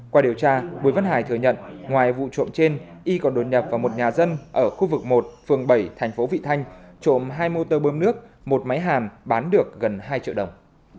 qua điều tra bùi văn hải thừa nhận ngoài vụ trộm trên y còn đột nhập vào một nhà dân ở khu vực một phường bảy thành phố vị thanh trộm hai motor bơm nước một máy hàm bán được gần hai triệu đồng